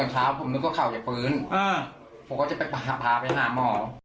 ตอนเช้าผมนึกว่าเขาอย่าปืนผมก็จะไปพาไปหาหมอ